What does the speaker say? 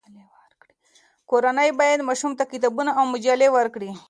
کورنۍ باید ماشومانو ته کتابونه او مجلې ورکړي.